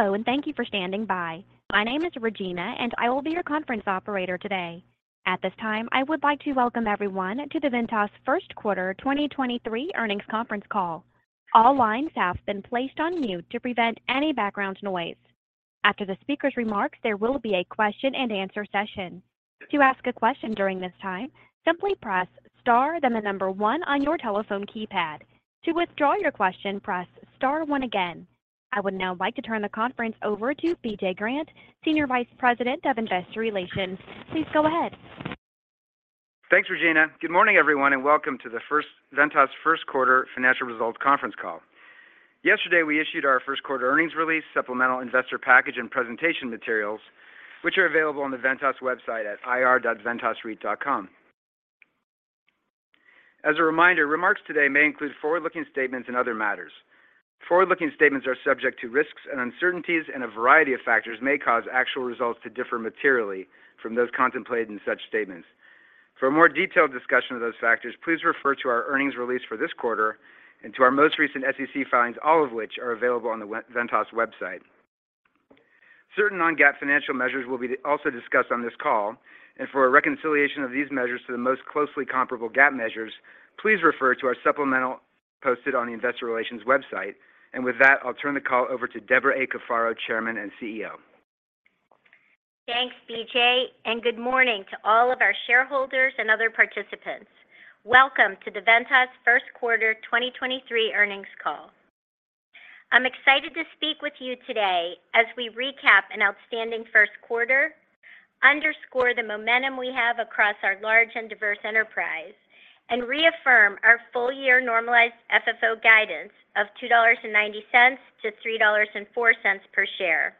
Hello, thank you for standing by. My name is Regina, I will be your conference operator today. At this time, I would like to welcome everyone to the Ventas First Quarter 2023 Earnings Conference Call. All lines have been placed on mute to prevent any background noise. After the speaker's remarks, there will be a question-and-answer session. To ask a question during this time, simply press star, then the one on your telephone keypad. To withdraw your question, press Star one again. I would now like to turn the conference over to BJ Grant, Senior Vice President of Investor Relations. Please go ahead. Thanks, Regina. Good morning, everyone, welcome to the Ventas first quarter financial results conference call. Yesterday, we issued our first quarter earnings release, supplemental investor package and presentation materials, which are available on the Ventas website at ir.ventasreit.com. As a reminder, remarks today may include forward-looking statements and other matters. Forward-looking statements are subject to risks and uncertainties, a variety of factors may cause actual results to differ materially from those contemplated in such statements. For a more detailed discussion of those factors, please refer to our earnings release for this quarter and to our most recent SEC filings, all of which are available on the Ventas website. Certain non-GAAP financial measures will be also discussed on this call. For a reconciliation of these measures to the most closely comparable GAAP measures, please refer to our supplemental posted on the investor relations website. With that, I'll turn the call over to Debra A. Cafaro, Chairman and CEO. Thanks, BJ. Good morning to all of our shareholders and other participants. Welcome to the Ventas First Quarter 2023 Earnings Call. I'm excited to speak with you today as we recap an outstanding first quarter, underscore the momentum we have across our large and diverse enterprise, and reaffirm our full-year normalized FFO guidance of $2.90-$3.04 per share.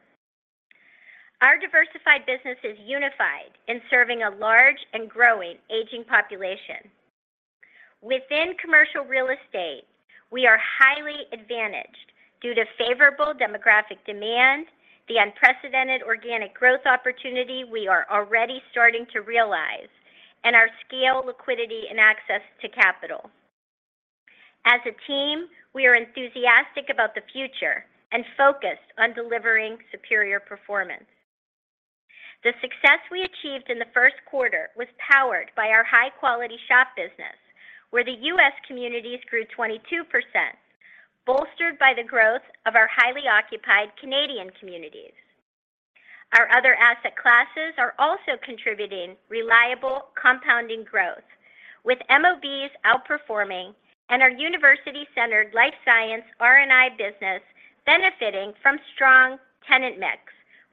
Our diversified business is unified in serving a large and growing aging population. Within commercial real estate, we are highly advantaged due to favorable demographic demand, the unprecedented organic growth opportunity we are already starting to realize, and our scale, liquidity, and access to capital. As a team, we are enthusiastic about the future and focused on delivering superior performance. The success we achieved in the first quarter was powered by our high-quality SHOP business, where the U.S. communities grew 22%, bolstered by the growth of our highly occupied Canadian communities. Our other asset classes are also contributing reliable compounding growth, with MOBs outperforming and our university-centered life science R&I business benefiting from strong tenant mix,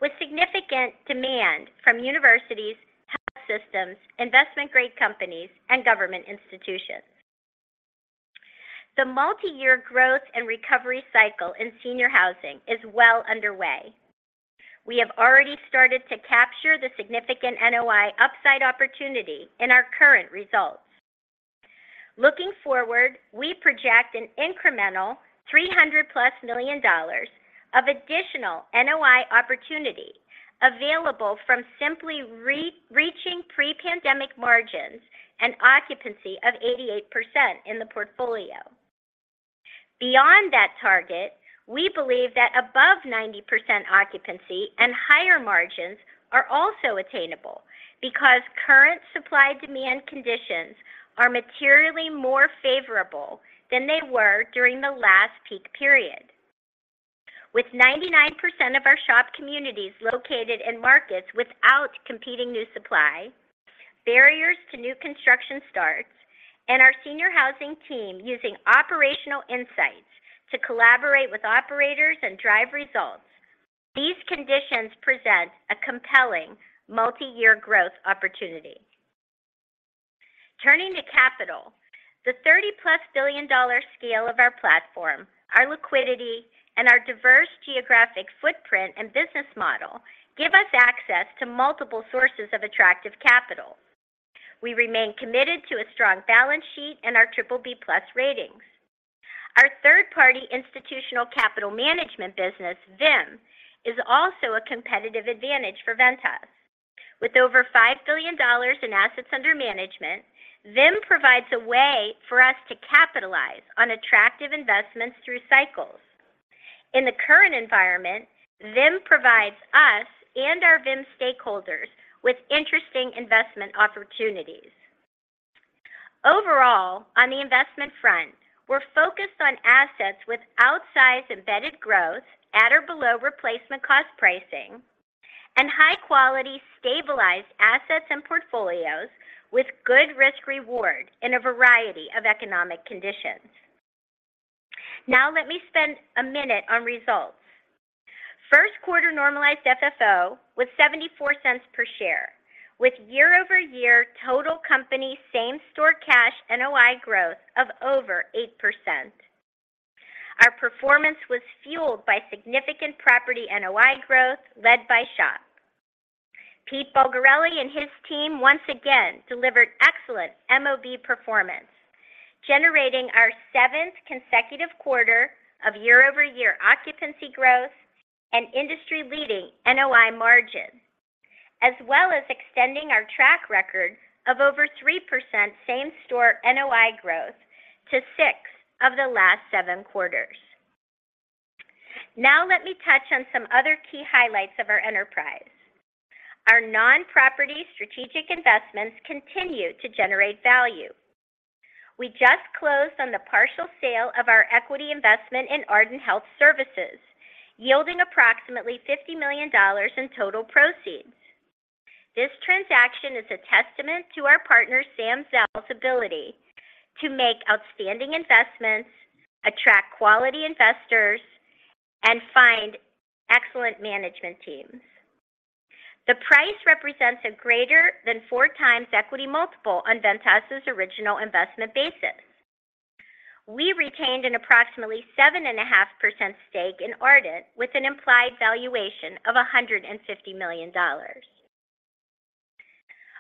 with significant demand from universities, health systems, investment-grade companies, and government institutions. The multi-year growth and recovery cycle in senior housing is well underway. We have already started to capture the significant NOI upside opportunity in our current results. Looking forward, we project an incremental $300+ million of additional NOI opportunity available from simply re-reaching pre-pandemic margins and occupancy of 88% in the portfolio. Beyond that target, we believe that above 90% occupancy and higher margins are also attainable because current supply-demand conditions are materially more favorable than they were during the last peak period. With 99% of our SHOP communities located in markets without competing new supply, barriers to new construction starts, and our senior housing team using operational insights to collaborate with operators and drive results, these conditions present a compelling multi-year growth opportunity. Turning to capital, the $30+ billion scale of our platform, our liquidity, and our diverse geographic footprint and business model give us access to multiple sources of attractive capital. We remain committed to a strong balance sheet and our BBB+ ratings. Our third-party institutional capital management business, VIM, is also a competitive advantage for Ventas. With over $5 billion in assets under management, VIM provides a way for us to capitalize on attractive investments through cycles. In the current environment, VIM provides us and our VIM stakeholders with interesting investment opportunities. Overall, on the investment front, we're focused on assets with outsized embedded growth at or below replacement cost pricing and high-quality stabilized assets and portfolios with good risk reward in a variety of economic conditions. Now let me spend a minute on results. First quarter normalized FFO was $0.74 per share, with year-over-year total company same store cash NOI growth of over 8%. Our performance was fueled by significant property NOI growth led by SHOP. Pete Bulgarelli and his team once again delivered excellent MOB performance, generating our 7th consecutive quarter of year-over-year occupancy growth and industry-leading NOI margin. Extending our track record of over 3% same-store NOI growth to six of the last seven quarters. Let me touch on some other key highlights of our enterprise. Our non-property strategic investments continue to generate value. We just closed on the partial sale of our equity investment in Ardent Health Services, yielding approximately $50 million in total proceeds. This transaction is a testament to our partner Sam Zell's ability to make outstanding investments, attract quality investors, and find excellent management teams. The price represents a greater than 4x equity multiple on Ventas' original investment basis. We retained an approximately 7.5% stake in Ardent with an implied valuation of $150 million.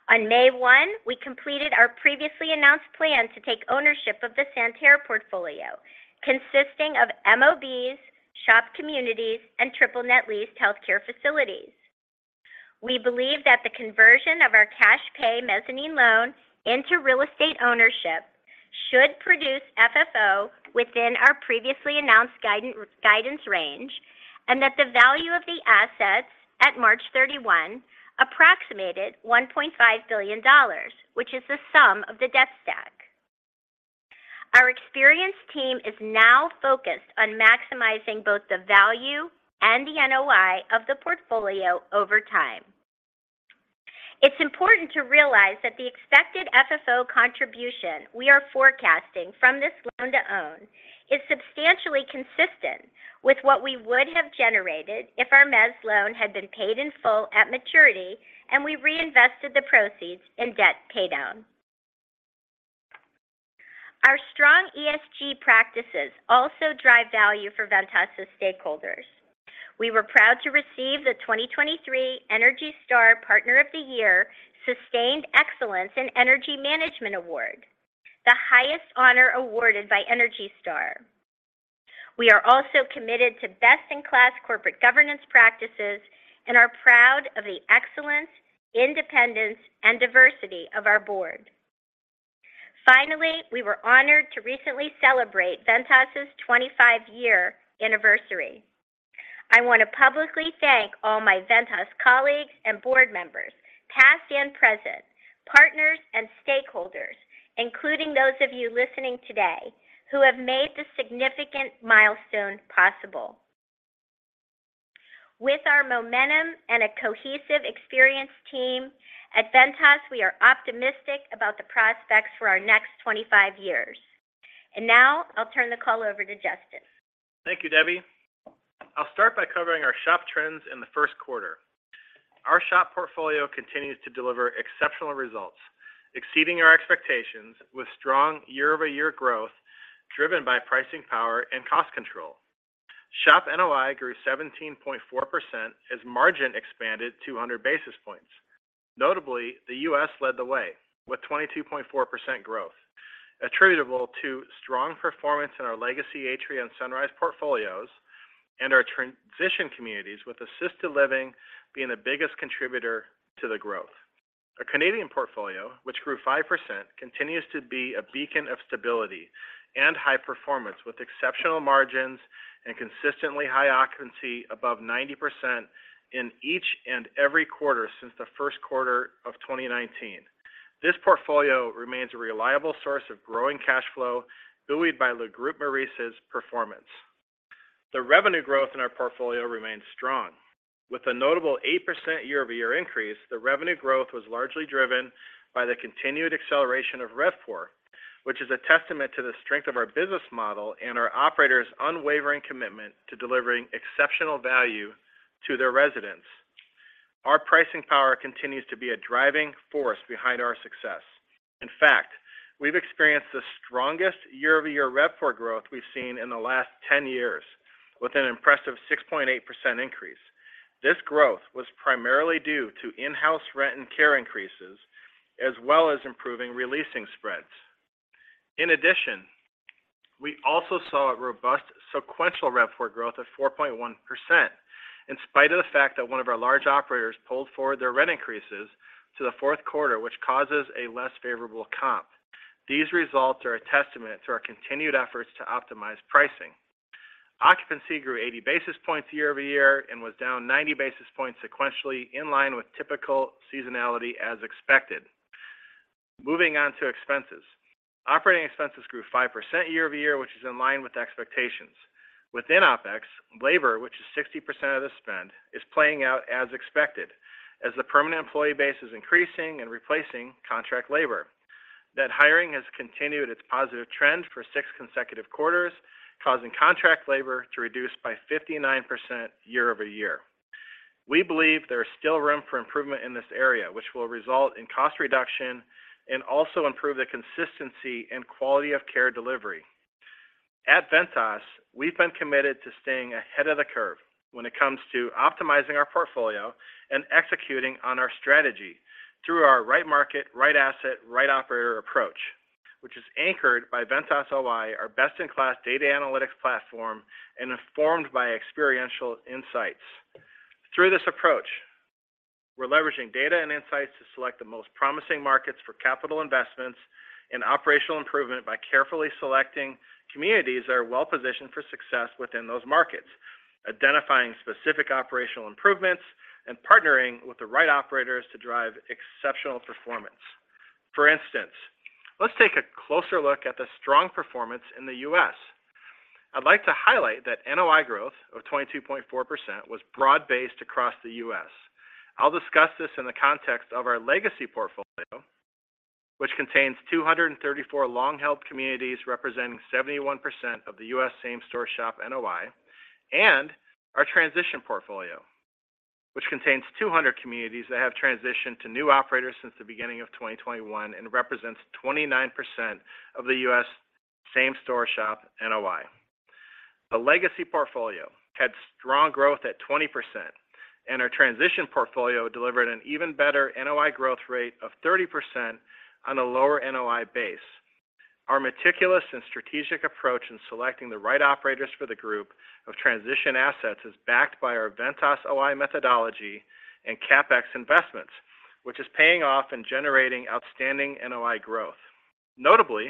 On May 1, we completed our previously announced plan to take ownership of the Santerre portfolio, consisting of MOBs, SHOP communities, and triple net leased healthcare facilities. We believe that the conversion of our cash pay mezzanine loan into real estate ownership should produce FFO within our previously announced guidance range, and that the value of the assets at 31 March approximated $1.5 billion, which is the sum of the debt stack. Our experienced team is now focused on maximizing both the value and the NOI of the portfolio over time. It's important to realize that the expected FFO contribution we are forecasting from this loan-to-own is substantially consistent with what we would have generated if our mezz loan had been paid in full at maturity, and we reinvested the proceeds in debt paydown. Our strong ESG practices also drive value for Ventas' stakeholders. We were proud to receive the 2023 ENERGY STAR Partner of the Year Sustained Excellence in Energy Management Award, the highest honor awarded by ENERGY STAR. We are also committed to best-in-class corporate governance practices and are proud of the excellence, independence, and diversity of our board. Finally, we were honored to recently celebrate Ventas 25 year anniversary. Now I'll turn the call over to Justin. Thank you, Debbie. I'll start by covering our SHOP trends in the first quarter. Our SHOP portfolio continues to deliver exceptional results, exceeding our expectations with strong year-over-year growth driven by pricing power and cost control. SHOP NOI grew 17.4% as margin expanded 200 basis points. Notably, the U.S. led the way with 22.4% growth attributable to strong performance in our legacy Atria and Sunrise portfolios and our transition communities, with assisted living being the biggest contributor to the growth. Our Canadian portfolio, which grew 5%, continues to be a beacon of stability and high performance, with exceptional margins and consistently high occupancy above 90% in each and every quarter since the first quarter of 2019. This portfolio remains a reliable source of growing cash flow, buoyed by Le Groupe Maurice's performance. The revenue growth in our portfolio remains strong. With a notable 8% year-over-year increase, the revenue growth was largely driven by the continued acceleration of RevPOR, which is a testament to the strength of our business model and our operators' unwavering commitment to delivering exceptional value to their residents. Our pricing power continues to be a driving force behind our success. In fact, we've experienced the strongest year-over-year RevPOR growth we've seen in the last 10 years with an impressive 6.8% increase. This growth was primarily due to in-house rent and care increases, as well as improving releasing spreads. In addition, we also saw a robust sequential RevPOR growth of 4.1%, in spite of the fact that one of our large operators pulled forward their rent increases to the fourth quarter, which causes a less favorable comp. These results are a testament to our continued efforts to optimize pricing. Occupancy grew 80 basis points year-over-year and was down 90 basis points sequentially in line with typical seasonality as expected. Moving on to expenses. Operating expenses grew 5% year-over-year, which is in line with expectations. Within OpEx, labor, which is 60% of the spend, is playing out as expected as the permanent employee base is increasing and replacing contract labor. Net hiring has continued its positive trend for six consecutive quarters, causing contract labor to reduce by 59% year-over-year. We believe there is still room for improvement in this area, which will result in cost reduction and also improve the consistency and quality of care delivery. At Ventas, we've been committed to staying ahead of the curve when it comes to optimizing our portfolio and executing on our strategy through our right market, right asset, right operator approach. Which is anchored by Ventas OI, our best in class data analytics platform, and informed by experiential insights. Through this approach, we're leveraging data and insights to select the most promising markets for capital investments and operational improvement by carefully selecting communities that are well-positioned for success within those markets, identifying specific operational improvements, and partnering with the right operators to drive exceptional performance. For instance, let's take a closer look at the strong performance in the U.S. I'd like to highlight that NOI growth of 22.4% was broad-based across the U.S. I'll discuss this in the context of our legacy portfolio, which contains 234 long-held communities representing 71% of the U.S., same-store SHOP NOI, and our transition portfolio, which contains 200 communities that have transitioned to new operators since the beginning of 2021 and represents 29% of the US same-store SHOP NOI. The legacy portfolio had strong growth at 20%, and our transition portfolio delivered an even better NOI growth rate of 30% on a lower NOI base. Our meticulous and strategic approach in selecting the right operators for the group of transition assets is backed by our Ventas OI methodology and CapEx investments, which is paying off and generating outstanding NOI growth. Notably,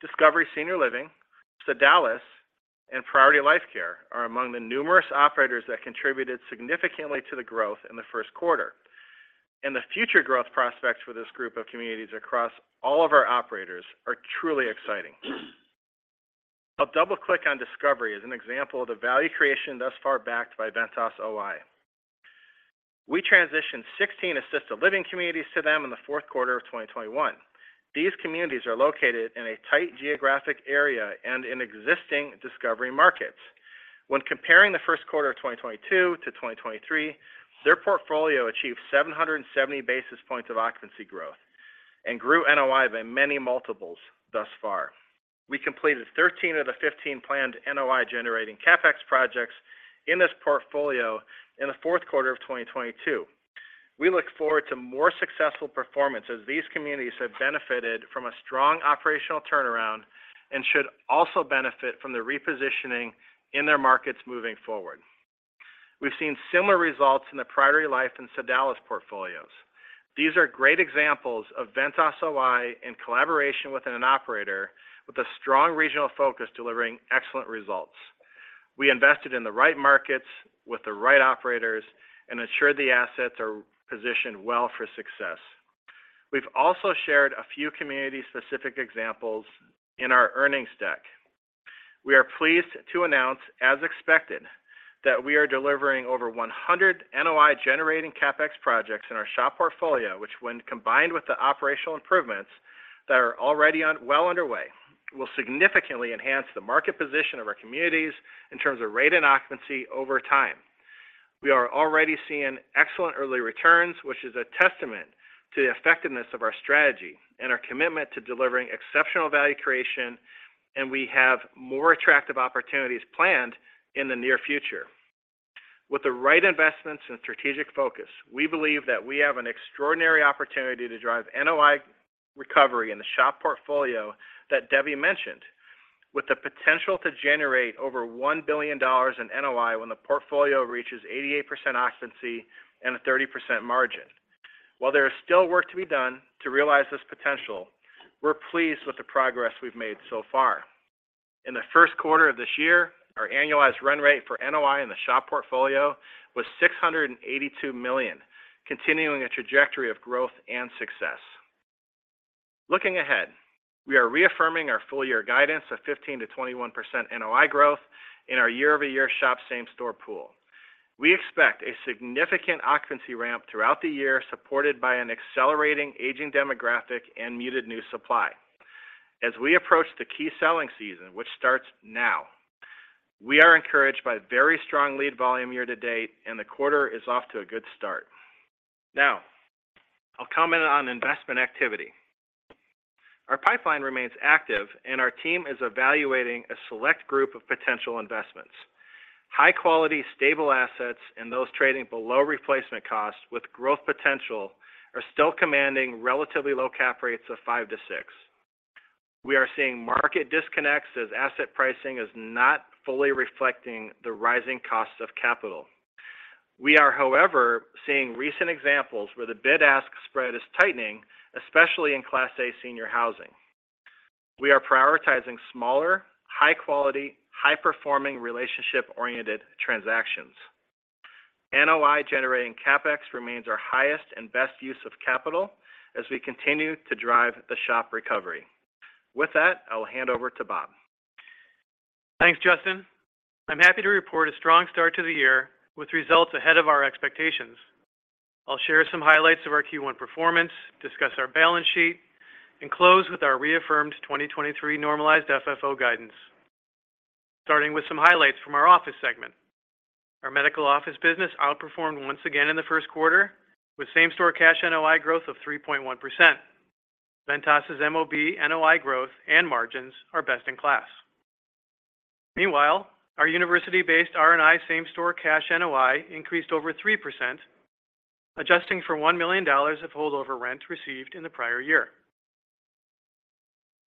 Discovery Senior Living, Sodalis, and Priority Life Care are among the numerous operators that contributed significantly to the growth in the first quarter. The future growth prospects for this group of communities across all of our operators are truly exciting. I'll double click on Discovery as an example of the value creation thus far backed by Ventas OI. We transitioned 16 assisted living communities to them in the fourth quarter of 2021. These communities are located in a tight geographic area and in existing Discovery markets. When comparing the first quarter of 2022 to 2023, their portfolio achieved 770 basis points of occupancy growth and grew NOI by many multiples thus far. We completed 13 of the 15 planned NOI-generating CapEx projects in this portfolio in the fourth quarter of 2022. We look forward to more successful performance as these communities have benefited from a strong operational turnaround and should also benefit from the repositioning in their markets moving forward. We've seen similar results in the Priority Life and Sodalis portfolios. These are great examples of Ventas OI in collaboration with an operator with a strong regional focus delivering excellent results. We invested in the right markets with the right operators and ensured the assets are positioned well for success. We've also shared a few community-specific examples in our earnings deck. We are pleased to announce, as expected, that we are delivering over 100 NOI-generating CapEx projects in our SHOP portfolio, which when combined with the operational improvements that are already well underway, will significantly enhance the market position of our communities in terms of rate and occupancy over time. We are already seeing excellent early returns, which is a testament to the effectiveness of our strategy and our commitment to delivering exceptional value creation. We have more attractive opportunities planned in the near future. With the right investments and strategic focus, we believe that we have an extraordinary opportunity to drive NOI recovery in the SHOP portfolio that Debbie mentioned, with the potential to generate over $1 billion in NOI when the portfolio reaches 88% occupancy and a 30% margin. While there is still work to be done to realize this potential, we're pleased with the progress we've made so far. In the first quarter of this year, our annualized run rate for NOI in the SHOP portfolio was $682 million, continuing a trajectory of growth and success. Looking ahead, we are reaffirming our full year guidance of 15%-21% NOI growth in our year-over-year SHOP same-store pool. We expect a significant occupancy ramp throughout the year, supported by an accelerating aging demographic and muted new supply. As we approach the key selling season, which starts now, we are encouraged by very strong lead volume year-to-date, and the quarter is off to a good start. Now, I'll comment on investment activity. Our pipeline remains active, and our team is evaluating a select group of potential investments. High-quality, stable assets, and those trading below replacement cost with growth potential are still commanding relatively low Cap rates of five to six. We are seeing market disconnects as asset pricing is not fully reflecting the rising cost of capital. We are, however, seeing recent examples where the bid-ask spread is tightening, especially in Class A senior housing. We are prioritizing smaller, high-quality, high-performing, relationship-oriented transactions. NOI generating CapEx remains our highest and best use of capital as we continue to drive the SHOP recovery. With that, I'll hand over to Bob. Thanks, Justin. I'm happy to report a strong start to the year with results ahead of our expectations. I'll share some highlights of our Q1 performance, discuss our balance sheet, and close with our reaffirmed 2023 normalized FFO guidance. Starting with some highlights from our office segment. Our medical office business outperformed once again in the first quarter with same-store cash NOI growth of 3.1%. Ventas' MOB NOI growth and margins are best in class. Our university-based R&I same-store cash NOI increased over 3%, adjusting for $1 million of holdover rent received in the prior year.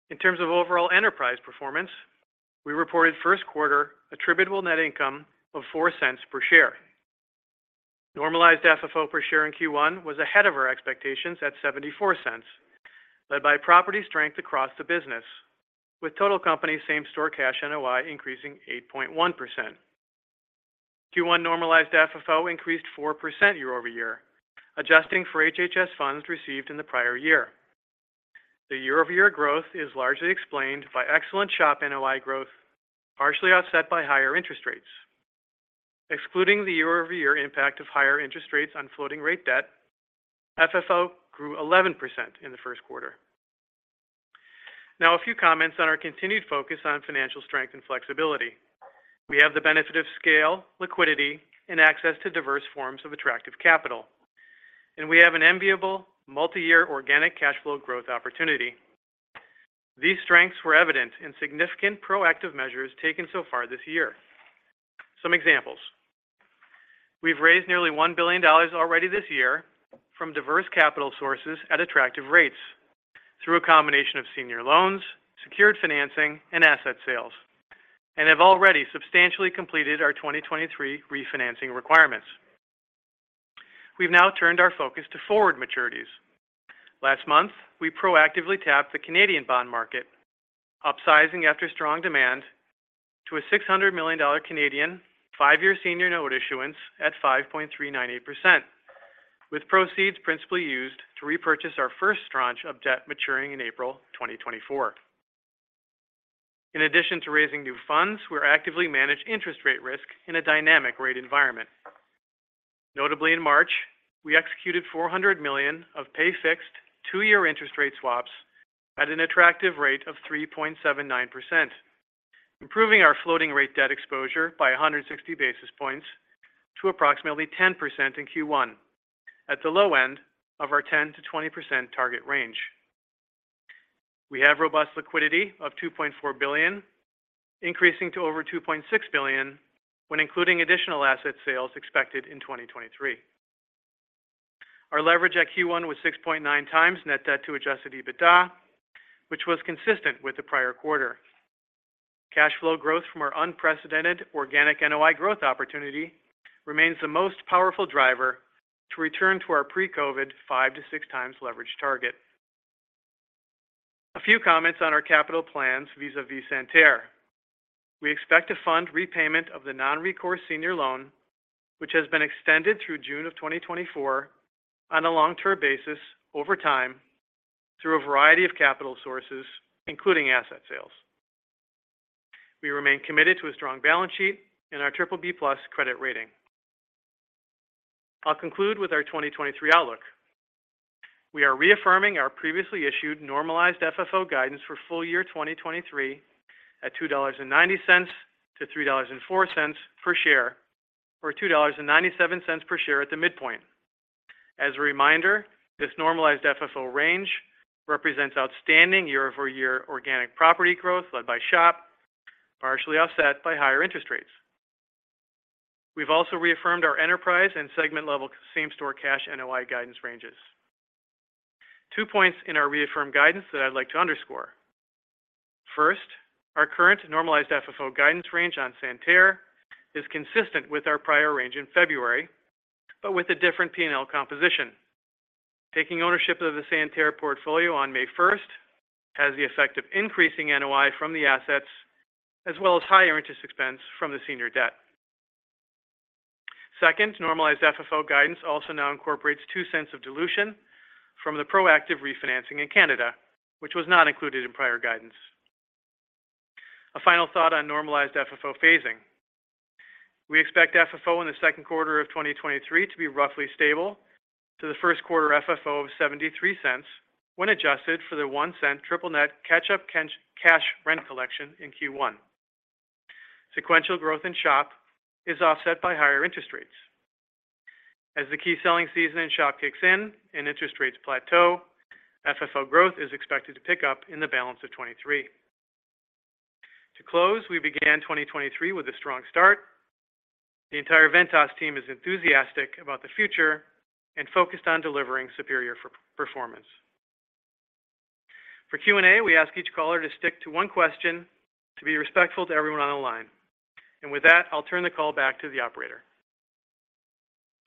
In terms of overall enterprise performance, we reported first quarter attributable net income of $0.04 per share. Normalized FFO per share in Q1 was ahead of our expectations at $0.74, led by property strength across the business, with total company same-store cash NOI increasing 8.1%. Q1 normalized FFO increased 4% year-over-year, adjusting for HHS funds received in the prior year. The year-over-year growth is largely explained by excellent SHOP NOI growth, partially offset by higher interest rates. Excluding the year-over-year impact of higher interest rates on floating rate debt, FFO grew 11% in the first quarter. A few comments on our continued focus on financial strength and flexibility. We have the benefit of scale, liquidity, and access to diverse forms of attractive capital. We have an enviable multi-year organic cash flow growth opportunity. These strengths were evident in significant proactive measures taken so far this year. Some examples. We've raised nearly $1 billion already this year from diverse capital sources at attractive rates through a combination of senior loans, secured financing, and asset sales, and have already substantially completed our 2023 refinancing requirements. We've now turned our focus to forward maturities. Last month, we proactively tapped the Canadian bond market, upsizing after strong demand to a 600 million Canadian dollars five-year senior note issuance at 5.398%, with proceeds principally used to repurchase our first tranche of debt maturing in April 2024. In addition to raising new funds, we actively manage interest rate risk in a dynamic rate environment. Notably in March, we executed $400 million of pay fixed two year interest rate swaps at an attractive rate of 3.79%, improving our floating rate debt exposure by 160 basis points to approximately 10% in Q1 at the low end of our 10%-20% target range. We have robust liquidity of $2.4 billion, increasing to over $2.6 billion when including additional asset sales expected in 2023. Our leverage at Q1 was 6.9x net debt to adjusted EBITDA, which was consistent with the prior quarter. Cash flow growth from our unprecedented organic NOI growth opportunity remains the most powerful driver to return to our pre-COVID 5-6x leverage target. A few comments on our capital plans vis-a-vis Santerre. We expect to fund repayment of the non-recourse senior loan, which has been extended through June of 2024 on a long-term basis over time through a variety of capital sources, including asset sales. We remain committed to a strong balance sheet and our BBB+ credit rating. I'll conclude with our 2023 outlook. We are reaffirming our previously issued normalized FFO guidance for full year 2023 at $2.90-$3.04 per share, or $2.97 per share at the midpoint. As a reminder, this normalized FFO range represents outstanding year-over-year organic property growth led by SHOP, partially offset by higher interest rates. We've also reaffirmed our enterprise and segment level same-store cash NOI guidance ranges. Two points in our reaffirmed guidance that I'd like to underscore. First, our current normalized FFO guidance range on Santerre is consistent with our prior range in February, but with a different P&L composition. Taking ownership of the Santerre portfolio on May 1st has the effect of increasing NOI from the assets as well as higher interest expense from the senior debt. Second, normalized FFO guidance also now incorporates $0.02 of dilution from the proactive refinancing in Canada, which was not included in prior guidance. A final thought on normalized FFO phasing. We expect FFO in the second quarter of 2023 to be roughly stable to the first quarter FFO of $0.73 when adjusted for the $0.01 triple net catch-up cash rent collection in Q1. Sequential growth in SHOP is offset by higher interest rates. As the key selling season in SHOP kicks in and interest rates plateau, FFO growth is expected to pick up in the balance of 2023. To close, we began 2023 with a strong start. The entire Ventas team is enthusiastic about the future and focused on delivering superior per-performance. For Q&A, we ask each caller to stick to one question to be respectful to everyone on the line. With that, I'll turn the call back to the operator.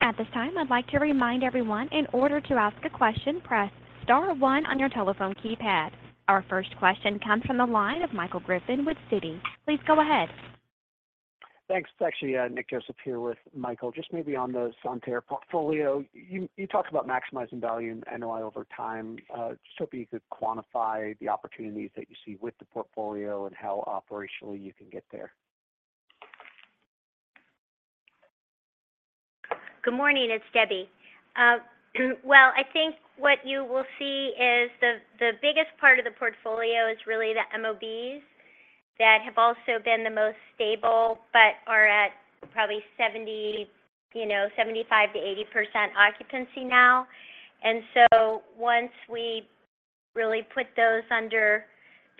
At this time, I'd like to remind everyone in order to ask a question, press star one on your telephone keypad. Our first question comes from the line of Michael Griffin with Citi. Please go ahead. Thanks. It's actually, Nick Joseph here with Michael. Just maybe on the Santerre portfolio, you talked about maximizing value in NOI over time. Just hoping you could quantify the opportunities that you see with the portfolio and how operationally you can get there. Good morning, it's Debbie. Well, I think what you will see is the biggest part of the portfolio is really the MOBs that have also been the most stable but are at probably 70, you know, 75%-80% occupancy now. Once we Really put those under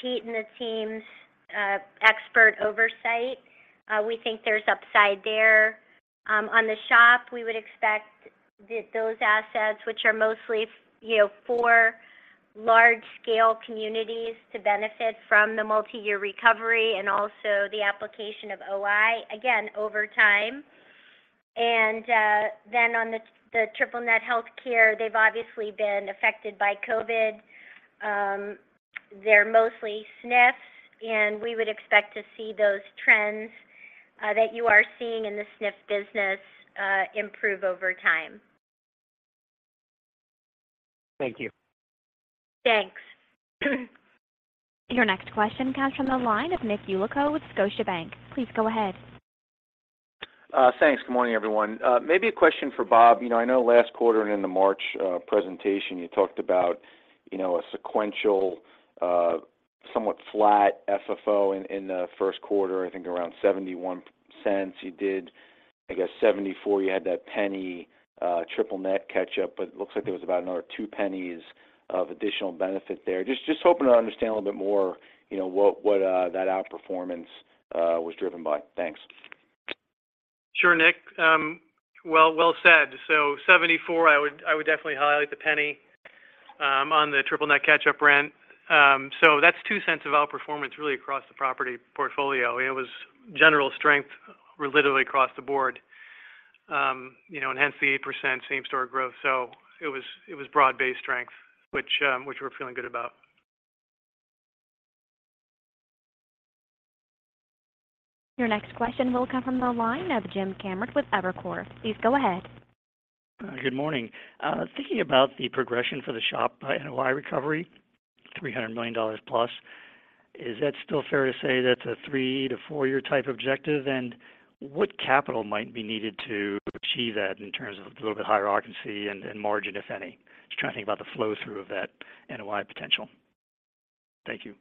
Pete and the team's expert oversight. We think there's upside there. On the SHOP, we would expect those assets, which are mostly you know, four large scale communities to benefit from the multi-year recovery and also the application of OI, again, over time. Then on the triple net healthcare, they've obviously been affected by COVID. They're mostly SNFs, and we would expect to see those trends that you are seeing in the SNF business improve over time. Thank you. Thanks. Your next question comes from the line of Nick Yulico with Scotiabank. Please go ahead. Thanks. Good morning, everyone. Maybe a question for Bob. You know, I know last quarter and in the March presentation you talked about, you know, a sequential, somewhat flat FFO in the first quarter, I think around $0.71. You did, I guess $0.74, you had that $0.01 triple net catch-up, but it looks like there was about another $0.02 of additional benefit there. Just hoping to understand a little bit more, you know, what that outperformance was driven by. Thanks. Sure, Nick. Well, well said. $0.74, I would definitely highlight the $0.01, on the triple net catch-up rent. That's $0.02 of outperformance really across the property portfolio. It was general strength literally across the board, you know, and hence the 8% same store growth. It was broad-based strength, which we're feeling good about. Your next question will come from the line of Jim Kammert with Evercore. Please go ahead. Good morning. Thinking about the progression for the SHOP by NOI recovery, $300 million+, is that still fair to say that's a three to four year type objective? What capital might be needed to achieve that in terms of a little bit higher occupancy and margin, if any? Just trying to think about the flow through of that NOI potential. Thank you.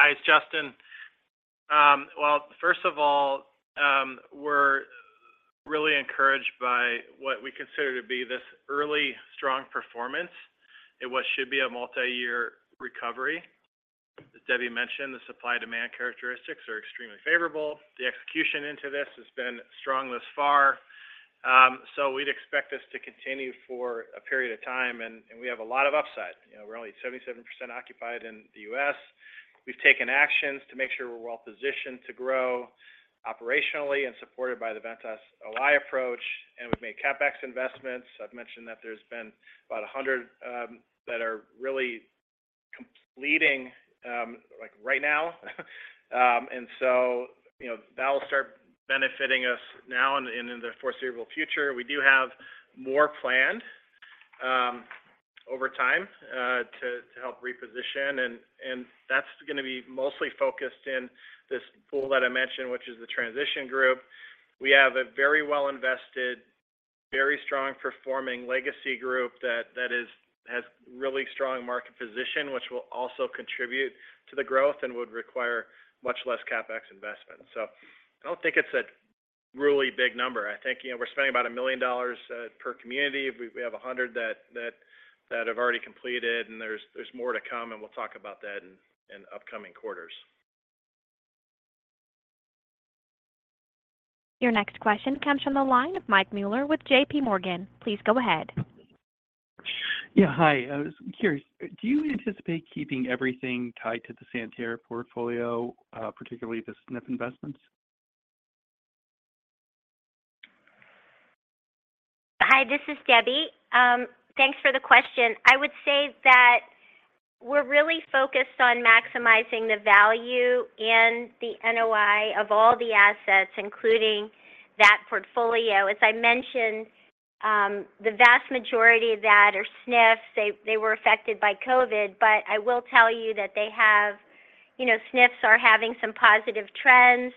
Hi, it's Justin. Well, first of all, we're really encouraged by what we consider to be this early strong performance in what should be a multi-year recovery. As Debbie mentioned, the supply-demand characteristics are extremely favorable. The execution into this has been strong thus far. We'd expect this to continue for a period of time, and we have a lot of upside. You know, we're only 77% occupied in the U.S. We've taken actions to make sure we're well positioned to grow operationally and supported by the Ventas OI approach, and we've made CapEx investments. I've mentioned that there's been about 100 that are really completing like right now. You know, that will start benefiting us now and in the foreseeable future. We do have more planned over time to help reposition and that's gonna be mostly focused in this pool that I mentioned, which is the transition group. We have a very well invested, very strong performing legacy group that has really strong market position, which will also contribute to the growth and would require much less CapEx investment. I don't think it's a really big number. I think, you know, we're spending about $1 million per community. We have 100 that have already completed, and there's more to come, and we'll talk about that in upcoming quarters. Your next question comes from the line of Mike Mueller with JPMorgan. Please go ahead. Hi. I was curious, do you anticipate keeping everything tied to the Santerre portfolio, particularly the SNF investments? Hi, this is Debbie. Thanks for the question. I would say that we're really focused on maximizing the value in the NOI of all the assets, including that portfolio. As I mentioned, the vast majority of that are SNFs. They were affected by COVID. I will tell you that they have, you know, SNFs are having some positive trends.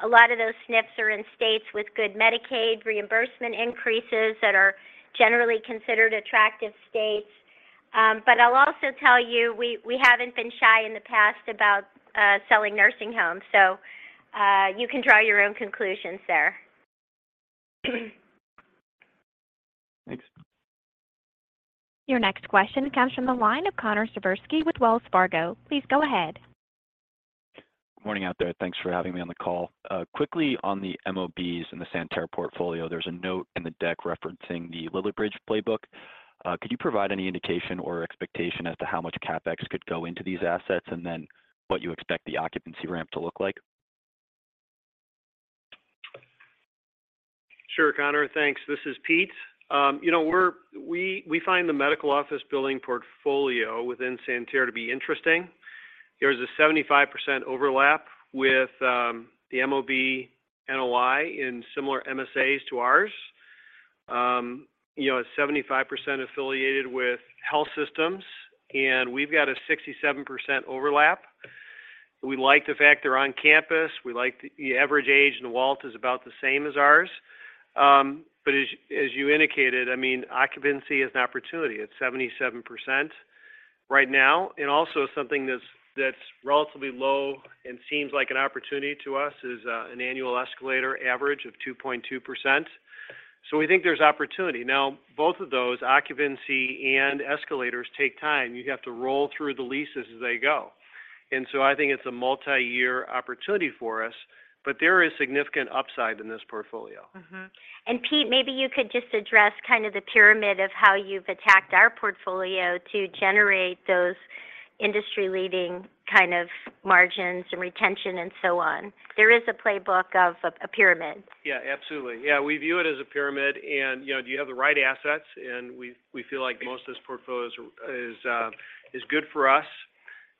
A lot of those SNFs are in states with good Medicaid reimbursement increases that are generally considered attractive states. I'll also tell you, we haven't been shy in the past about selling nursing homes. You can draw your own conclusions there. Thanks. Your next question comes from the line of Connor Siversky with Wells Fargo. Please go ahead. Morning out there. Thanks for having me on the call. Quickly on the MOBs in the Santerre portfolio, there's a note in the deck referencing the Lillibridge playbook. Could you provide any indication or expectation as to how much CapEx could go into these assets, and then what you expect the occupancy ramp to look like? Sure, Connor. Thanks. This is Pete. You know, we find the medical office building portfolio within Santerre to be interesting. There's a 75% overlap with the MOB NOI in similar MSAs to ours. You know, it's 75% affiliated with health systems, and we've got a 67% overlap. We like the fact they're on campus. We like the average age in the Walt is about the same as ours. As you indicated, I mean, occupancy is an opportunity. It's 77% right now. Also something that's relatively low and seems like an opportunity to us is an annual escalator average of 2.2%. We think there's opportunity. Now, both of those, occupancy and escalators take time. You have to roll through the leases as they go. I think it's a multi-year opportunity for us, but there is significant upside in this portfolio. Pete, maybe you could just address kind of the pyramid of how you've attacked our portfolio to generate those industry-leading kind of margins and retention and so on. There is a playbook of a pyramid. Yeah, absolutely. Yeah, we view it as a pyramid and, you know, do you have the right assets? We, we feel like most of this portfolio is good for us.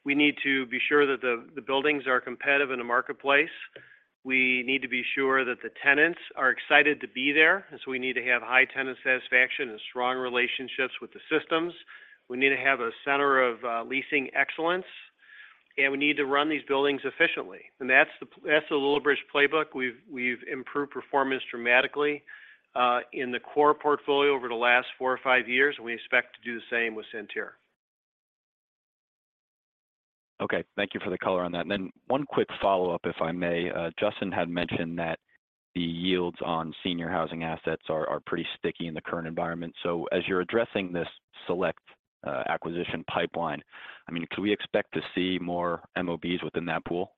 We need to be sure that the buildings are competitive in the marketplace. We need to be sure that the tenants are excited to be there, and so we need to have high tenant satisfaction and strong relationships with the systems. We need to have a center of leasing excellence, and we need to run these buildings efficiently. That's the, that's the Little Bridge playbook. We've, we've improved performance dramatically in the core portfolio over the last four or five years, and we expect to do the same with Santerre. Okay. Thank you for the color on that. Then one quick follow-up, if I may. Justin had mentioned that the yields on senior housing assets are pretty sticky in the current environment. As you're addressing this select acquisition pipeline, can we expect to see more MOBs within that pool?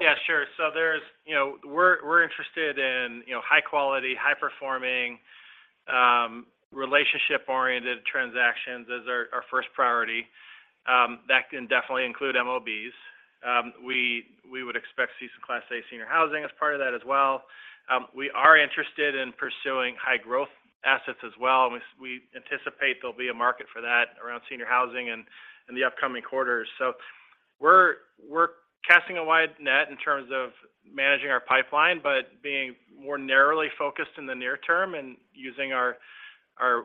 Yeah, sure. There's you know, we're interested in, you know, high quality, high performing, relationship-oriented transactions as our first priority. That can definitely include MOBs. We would expect to see some Class A senior housing as part of that as well. We are interested in pursuing high growth assets as well, and we anticipate there'll be a market for that around senior housing in the upcoming quarters. We're casting a wide net in terms of managing our pipeline, but being more narrowly focused in the near term and using our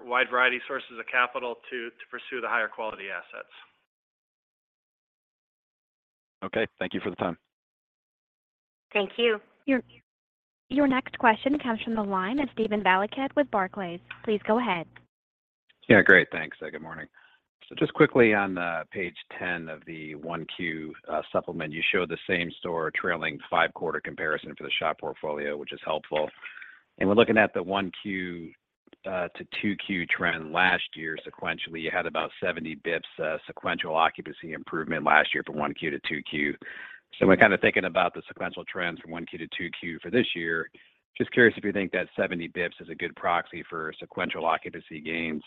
wide variety sources of capital to pursue the higher quality assets. Okay. Thank you for the time. Thank you. Your next question comes from the line of Steven Valiquette with Barclays. Please go ahead. Yeah, great. Thanks. Good morning. Just quickly on page 10 of the 1Q supplement, you show the same store trailing five quarter comparison for the SHOP portfolio, which is helpful. We're looking at the 1Q to 2Q trend. Last year sequentially, you had about 70 basis points sequential occupancy improvement last year from 1Q to 2Q. Right. We're kind of thinking about the sequential trends from 1Q to 2Q for this year. Just curious if you think that 70 basis points is a good proxy for sequential occupancy gains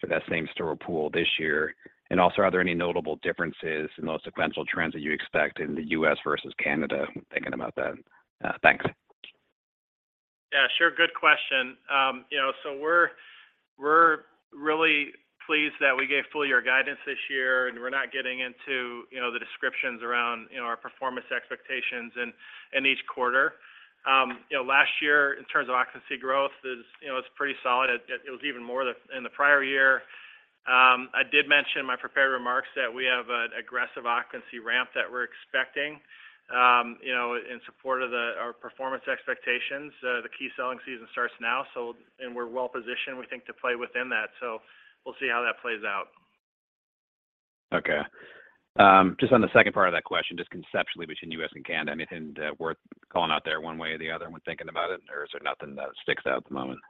for that same store pool this year? Are there any notable differences in those sequential trends that you expect in the U.S. versus Canada when thinking about that? Thanks. Yeah, sure. Good question. You know, we're really pleased that we gave full year guidance this year, and we're not getting into, you know, the descriptions around, you know, our performance expectations in each quarter. You know, last year in terms of occupancy growth is, you know, it's pretty solid. It was even more the, in the prior year. I did mention in my prepared remarks that we have an aggressive occupancy ramp that we're expecting, you know, in support of our performance expectations. The key selling season starts now. We're well positioned, we think, to play within that. We'll see how that plays out. Okay. Just on the second part of that question, just conceptually between US and Canada, anything that worth calling out there one way or the other when thinking about it? Is there nothing that sticks out at the moment?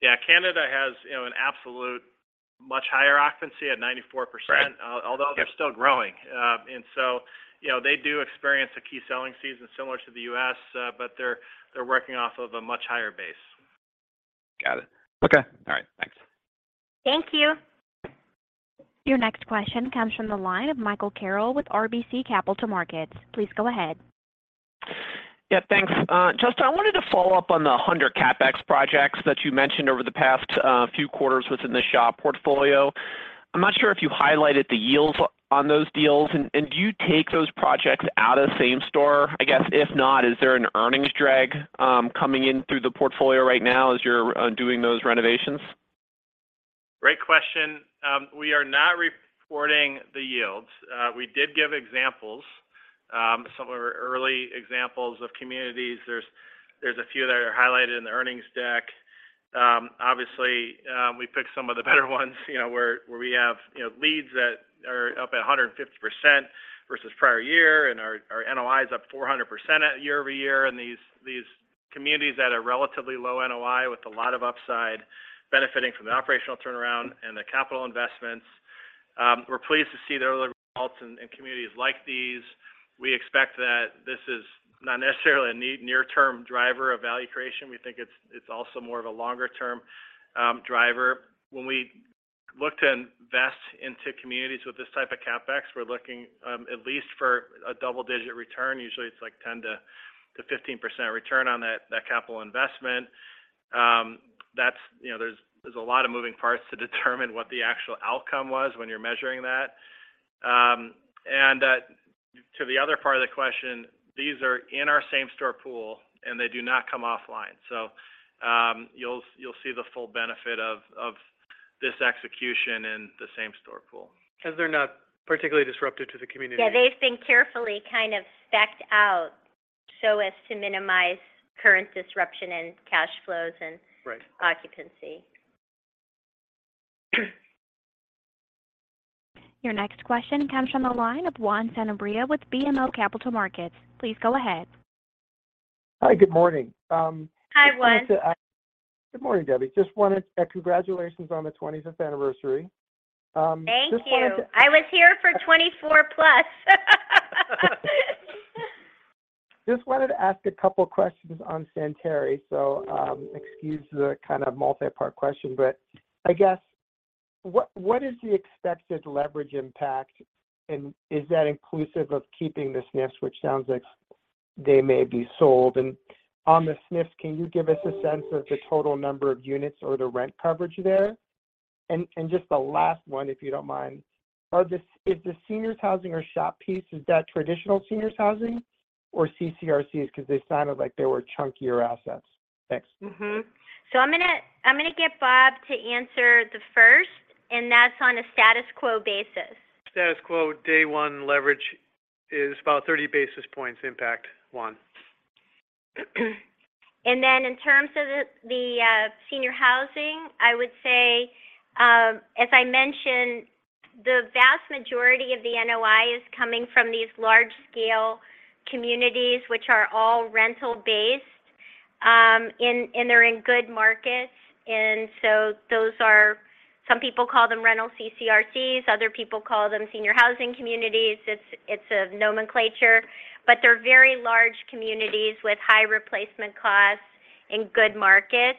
Yeah. Canada has, you know, an absolute much higher occupancy at 94% Right. Yeah. Although they're still growing. You know, they do experience a key selling season similar to the U.S., but they're working off of a much higher base. Got it. Okay. All right. Thanks. Thank you. Your next question comes from the line of Michael Carroll with RBC Capital Markets. Please go ahead. Yeah, thanks. Justin, I wanted to follow up on the 100 CapEx projects that you mentioned over the past few quarters within the SHOP portfolio. I'm not sure if you highlighted the yields on those deals. Do you take those projects out of the same store? I guess if not, is there an earnings drag coming in through the portfolio right now as you're doing those renovations? Great question. We are not reporting the yields. We did give examples. Some of our early examples of communities, there's a few that are highlighted in the earnings deck. Obviously, we picked some of the better ones, you know, where we have leads that are up at 150% versus prior year, and our NOI is up 400% at year-over-year. These communities that are relatively low NOI with a lot of upside benefiting from the operational turnaround and the capital investments, we're pleased to see the early results in communities like these. We expect that this is not necessarily a near term driver of value creation. We think it's also more of a longer term driver. When we look to invest into communities with this type of CapEx, we're looking at least for a double-digit return. Usually, it's like 10%-15% return on that capital investment. That's you know, there's a lot of moving parts to determine what the actual outcome was when you're measuring that. And, to the other part of the question, these are in our same store pool, and they do not come offline. You'll see the full benefit of this execution in the same store pool. They're not particularly disruptive to the community. Yeah. They've been carefully kind of specced out so as to minimize current disruption in cash flows. Right occupancy. Your next question comes from the line of Juan Sanabria with BMO Capital Markets. Please go ahead. Hi, good morning. Hi, Juan. Good morning, Debbie. Congratulations on the 25th anniversary. Thank you. I was here for 24+. Just wanted to ask a couple questions on Santerre. Excuse the kind of multi-part question, but I guess what is the expected leverage impact, and is that inclusive of keeping the SNFs, which sounds like they may be sold? On the SNFs, can you give us a sense of the total number of units or the rent coverage there? Just the last one, if you don't mind. Is the senior housing or SHOP piece, is that traditional senior housing or CCRCs? Because they sounded like they were chunkier assets. Thanks. I'm gonna get Bob to answer the first, and that's on a status quo basis. Status quo day one leverage is about 30 basis points impact, Juan. In terms of the senior housing, I would say, as I mentioned, the vast majority of the NOI is coming from these large-scale communities, which are all rental-based, and they're in good markets. Some people call them rental CCRCs, other people call them senior housing communities. It's a nomenclature, but they're very large communities with high replacement costs in good markets,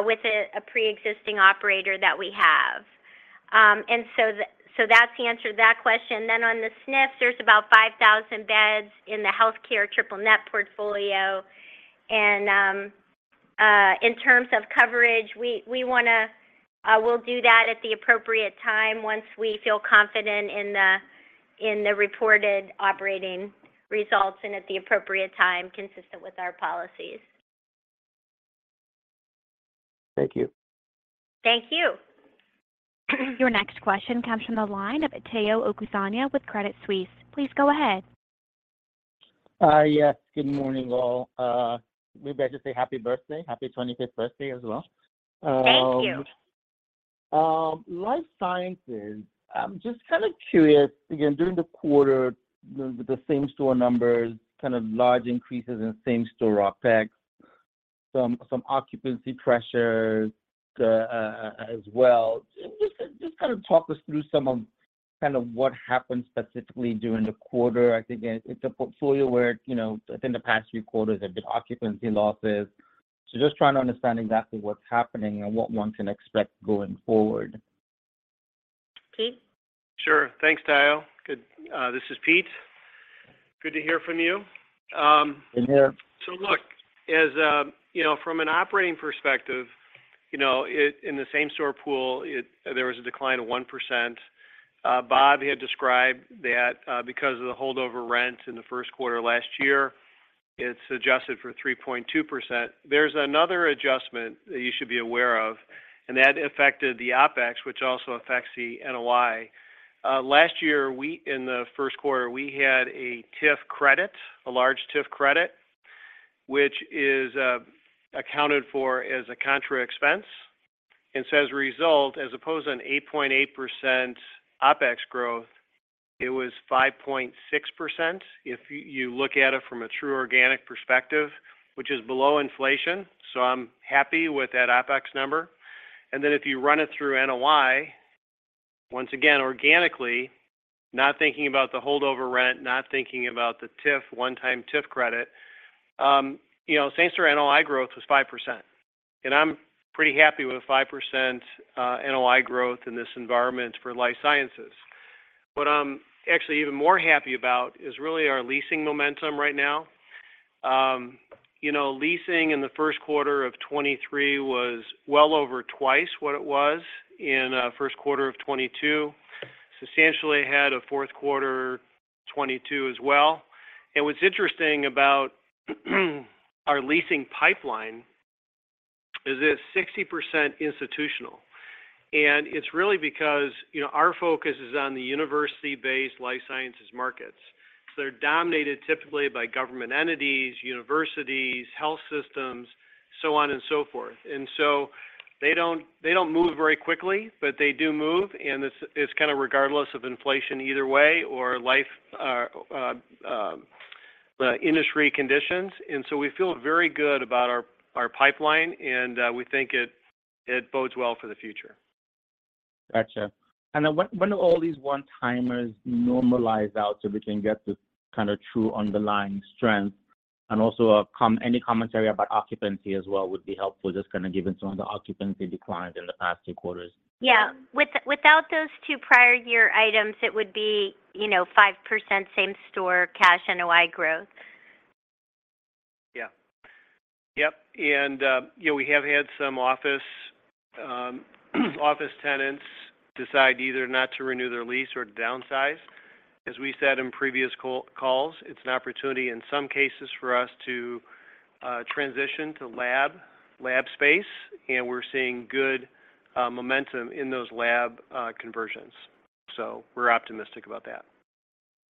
with a pre-existing operator that we have. That's the answer to that question. On the SNFs, there's about 5,000 beds in the healthcare triple net portfolio. In terms of coverage, we wanna do that at the appropriate time once we feel confident in the reported operating results and at the appropriate time consistent with our policies. Thank you. Thank you. Your next question comes from the line of Tayo Okusanya with Credit Suisse. Please go ahead. Yes. Good morning, all. We better say happy birthday. Happy 25th birthday as well. Thank you. life sciences. I'm just kind of curious, again, during the quarter, the same-store numbers, kind of large increases in same-store OpEx, some occupancy pressures as well. Just kind of talk us through some of kind of what happened specifically during the quarter. I think it's a portfolio where, you know, within the past few quarters, there have been occupancy losses. Just trying to understand exactly what's happening and what one can expect going forward. Pete? Sure. Thanks, Tayo. Good, this is Pete. Good to hear from you. You. Look, as, from an operating perspective, in the same-store pool, there was a decline of 1%. Bob had described that, because of the holdover rent in the first quarter last year, it's adjusted for 3.2%. There's another adjustment that you should be aware of, and that affected the OpEx, which also affects the NOI. Last year, in the first quarter, we had a TIF credit, a large TIF credit, which is accounted for as a contra expense. As a result, as opposed to an 8.8% OpEx growth, it was 5.6%, if you look at it from a true organic perspective, which is below inflation. I'm happy with that OpEx number. Then if you run it through NOI, once again, organically, not thinking about the holdover rent, not thinking about the TIF, one-time TIF credit, you know, same-store NOI growth was 5%. I'm pretty happy with a 5% NOI growth in this environment for life sciences. What I'm actually even more happy about is really our leasing momentum right now. You know, leasing in the first quarter of 2023 was well over twice what it was in, first quarter of 2022. Substantially ahead of fourth quarter 2022 as well. What's interesting about our leasing pipeline is it's 60% institutional. It's really because, you know, our focus is on the university-based life sciences markets. They're dominated typically by government entities, universities, health systems, so on and so forth. They don't move very quickly, but they do move. It's kind of regardless of inflation either way or life industry conditions. We feel very good about our pipeline, and we think it bodes well for the future. Gotcha. When will all these one-timers normalize out so we can get the kind of true underlying strength? Also any commentary about occupancy as well would be helpful, just kind of given some of the occupancy decline in the past two quarters. Yeah. Without those two prior year items, it would be, you know, 5% same-store cash NOI growth. Yeah. Yep. You know, we have had some office office tenants decide either not to renew their lease or to downsize. As we said in previous calls, it's an opportunity in some cases for us to transition to lab space, and we're seeing good momentum in those lab conversions. We're optimistic about that.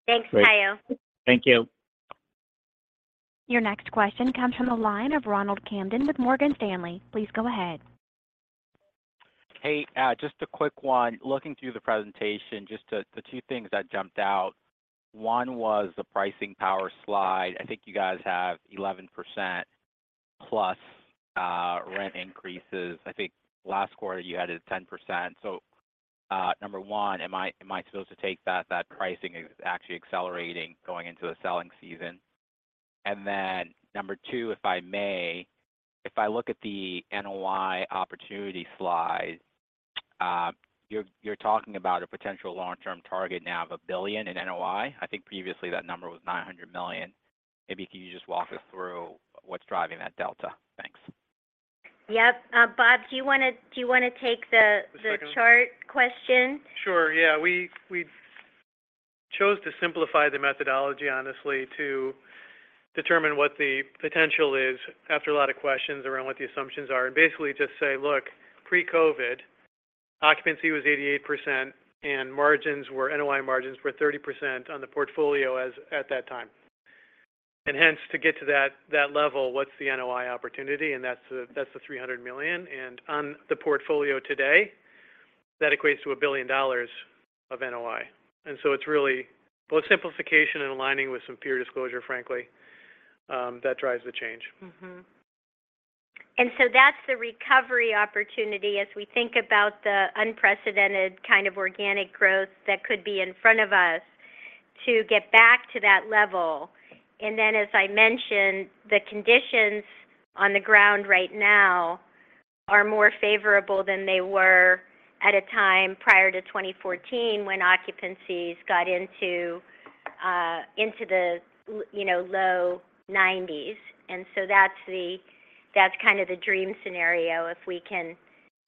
Thanks, Tayo. Thank you. Your next question comes from the line of Ronald Kamdem with Morgan Stanley. Please go ahead. Kate, just a quick one. Looking through the presentation, just, the two things that jumped out, one was the pricing power slide. I think you guys have 11%+ rent increases. I think last quarter you had it at 10%. Number one, am I supposed to take that pricing is actually accelerating going into a selling season? Number two, if I may, if I look at the NOI opportunity slide, you're talking about a potential long-term target now of $1 billion in NOI. I think previously that number was $900 million. Maybe can you just walk us through what's driving that delta? Thanks. Yep. Bob, do you wanna take the chart question? Sure, yeah. We chose to simplify the methodology, honestly, to determine what the potential is after a lot of questions around what the assumptions are, and basically just say, "Look, pre-COVID, occupancy was 88% and NOI margins were 30% on the portfolio at that time." Hence, to get to that level, what's the NOI opportunity? That's the $300 million. On the portfolio today, that equates to $1 billion of NOI. So it's really both simplification and aligning with some peer disclosure, frankly, that drives the change. That's the recovery opportunity as we think about the unprecedented kind of organic growth that could be in front of us to get back to that level. As I mentioned, the conditions on the ground right now are more favorable than they were at a time prior to 2014 when occupancies got into the you know, low nineties. That's kind of the dream scenario, if we can,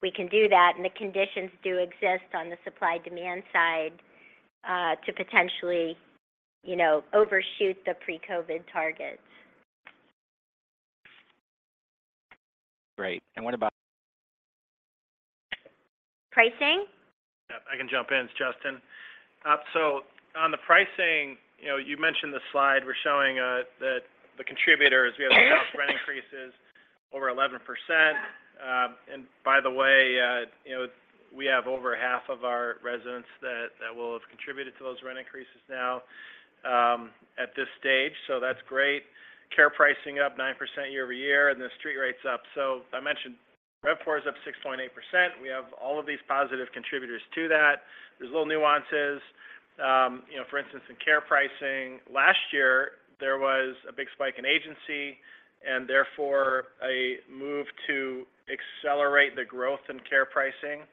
we can do that, and the conditions do exist on the supply-demand side to potentially, you know, overshoot the pre-COVID targets. Great. what about Pricing? Yeah, I can jump in. It's Justin. On the pricing, you know, you mentioned the slide. We're showing that the contributors, we have rent increases over 11%. By the way, you know, we have over half of our residents that will have contributed to those rent increases now at this stage. That's great. Care pricing up 9% year-over-year, the street rate's up. I mentioned RevPAR is up 6.8%. We have all of these positive contributors to that. There's little nuances. You know, for instance, in care pricing, last year there was a big spike in agency and therefore a move to accelerate the growth in care pricing.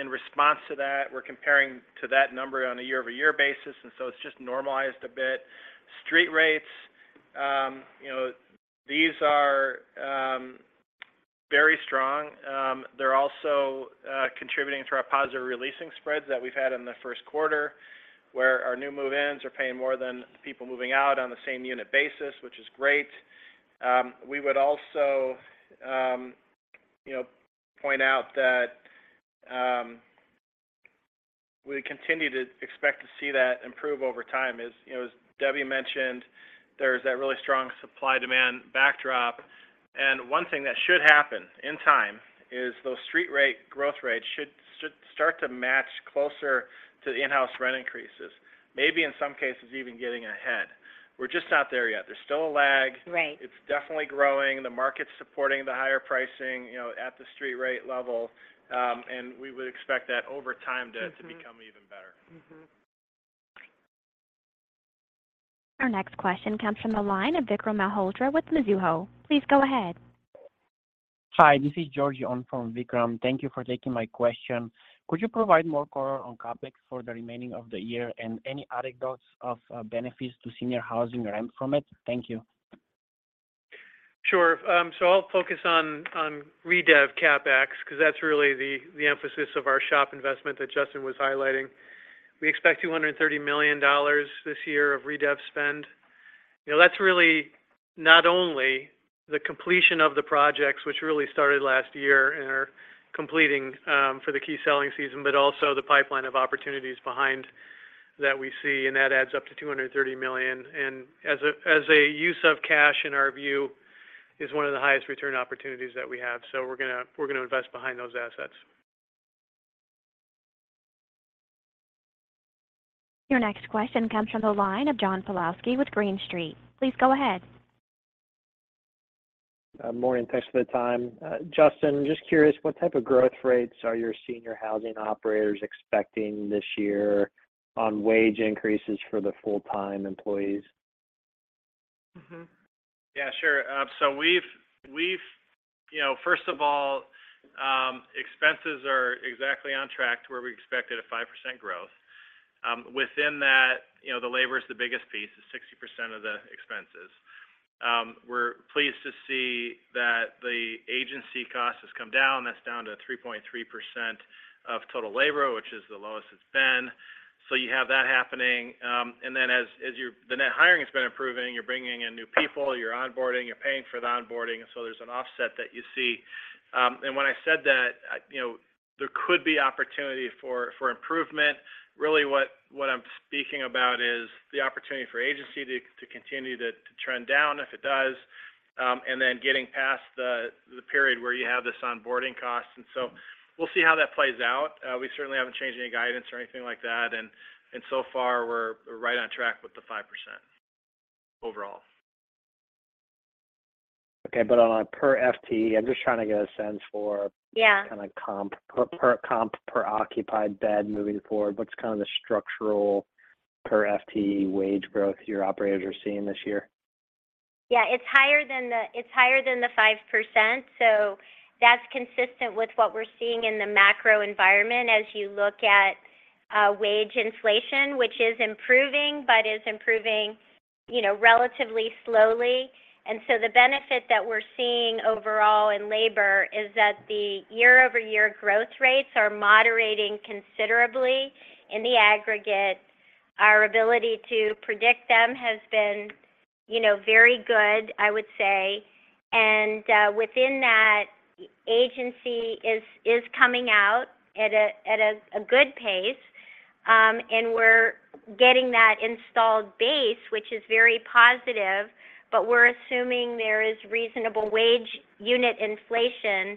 In response to that, we're comparing to that number on a year-over-year basis, it's just normalized a bit. Street rates, you know, these are very strong. They're also contributing to our positive releasing spreads that we've had in the first quarter, where our new move-ins are paying more than the people moving out on the same unit basis, which is great. We would also, you know, point out that we continue to expect to see that improve over time as, you know, as Debbie mentioned, there's that really strong supply demand backdrop. One thing that should happen in time is those street rate growth rates should start to match closer to the in-house rent increases. Maybe in some cases even getting ahead. We're just not there yet. There's still a lag. Right. It's definitely growing. The market's supporting the higher pricing, you know, at the street rate level. We would expect that over time to become even better. Our next question comes from the line of Vikram Malhotra with Mizuho. Please go ahead. Hi, this is George Fong, Vikram. Thank you for taking my question. Could you provide more color on CapEx for the remaining of the year and any anecdotes of benefits to senior housing rent from it? Thank you. Sure. I'll focus on redev CapEx because that's really the emphasis of our SHOP investment that Justin was highlighting. We expect $230 million this year of redev spend. You know, that's really not only the completion of the projects which really started last year and are completing for the key selling season, but also the pipeline of opportunities behind that we see, and that adds up to $230 million. As a use of cash in our view, is one of the highest return opportunities that we have. We're gonna invest behind those assets. Your next question comes from the line of John Pawlowski with Green Street. Please go ahead. Morning. Thanks for the time. Justin, just curious, what type of growth rates are your senior housing operators expecting this year on wage increases for the full-time employees? Yeah, sure. So we've, you know, first of all, expenses are exactly on track to where we expected, a 5% growth. Within that, you know, the labor is the biggest piece. It's 60% of the expenses. We're pleased to see that the agency cost has come down. That's down to 3.3% of total labor, which is the lowest it's been. You have that happening. As the net hiring has been improving. You're bringing in new people, you're onboarding, you're paying for the onboarding, and so there's an offset that you see. When I said that, you know, there could be opportunity for improvement. Really what I'm speaking about is the opportunity for agency to continue to trend down if it does, and then getting past the period where you have this onboarding cost. We'll see how that plays out. We certainly haven't changed any guidance or anything like that, and so far we're right on track with the 5% overall. Okay. On a per FTE, I'm just trying to get a sense. Yeah kinda comp. Per comp, per occupied bed moving forward, what's kinda the structural per FTE wage growth your operators are seeing this year? It's higher than the 5%, that's consistent with what we're seeing in the macro environment as you look at wage inflation, which is improving, but is improving, you know, relatively slowly. The benefit that we're seeing overall in labor is that the year-over-year growth rates are moderating considerably in the aggregate. Our ability to predict them has been, you know, very good, I would say. Within that, agency is coming out at a good pace, and we're getting that installed base, which is very positive, but we're assuming there is reasonable wage unit inflation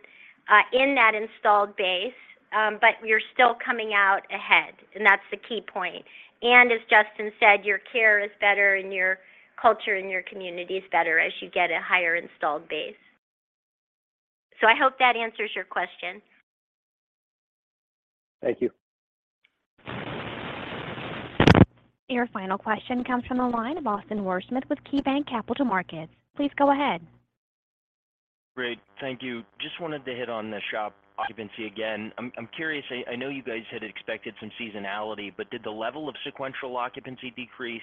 in that installed base. We're still coming out ahead, and that's the key point. As Justin said, your care is better and your culture in your community's better as you get a higher installed base. I hope that answers your question. Thank you. Your final question comes from the line of Austin Wurschmidt with KeyBanc Capital Markets. Please go ahead. Great. Thank you. Just wanted to hit on the SHOP occupancy again. I'm curious. I know you guys had expected some seasonality, but did the level of sequential occupancy decrease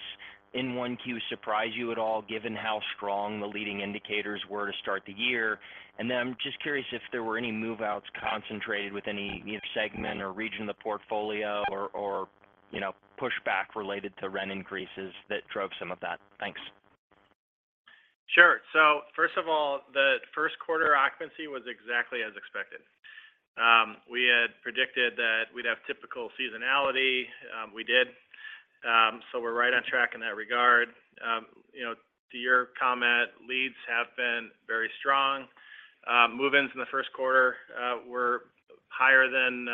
in 1Q surprise you at all given how strong the leading indicators were to start the year? I'm just curious if there were any move-outs concentrated with any segment or region of the portfolio or, you know, pushback related to rent increases that drove some of that? Thanks. Sure. First of all, the first quarter occupancy was exactly as expected. We had predicted that we'd have typical seasonality. We did, so we're right on track in that regard. You know, to your comment, leads have been very strong. Move-ins in the first quarter were higher than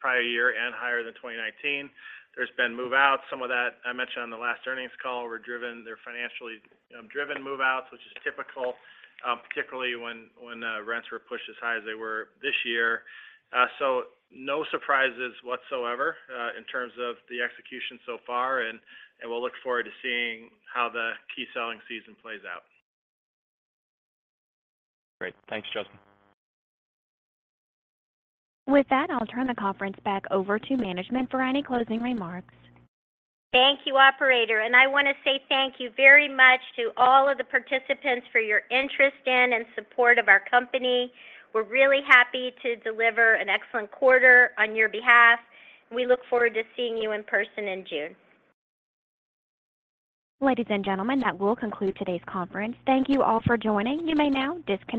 prior year and higher than 2019. There's been move-outs. Some of that I mentioned on the last earnings call were driven. They're financially driven move-outs, which is typical, particularly when rents were pushed as high as they were this year. No surprises whatsoever, in terms of the execution so far, and we'll look forward to seeing how the key selling season plays out. Great. Thanks, Justin. With that, I'll turn the conference back over to management for any closing remarks. Thank you, operator. I wanna say thank you very much to all of the participants for your interest in and support of our company. We're really happy to deliver an excellent quarter on your behalf, and we look forward to seeing you in person in June. Ladies and gentlemen, that will conclude today's conference. Thank you all for joining. You may now disconnect.